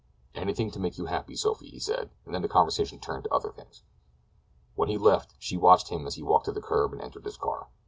"Anything to make you happy Sophie," he said, and then the conversation turned to other things. When he left she watched him as he walked to the curb and entered his car.